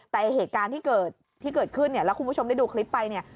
แต่เหตุการณ์ที่เกิดขึ้นเนี่ยแล้วคุณผู้ชมได้ดูคลิปไปเนี่ย